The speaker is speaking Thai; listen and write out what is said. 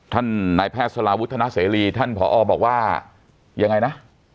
นายแพทย์สลาวุฒนาเสรีท่านผอบอกว่ายังไงนะ